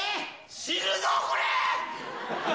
死ぬぞ、これ！